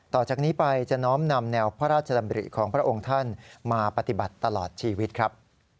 ต่อจากนี้ไปจะน้อมนำแนวพระราชดำริของพระองค์ท่านมาปฏิบัติตลอดชีวิตครับ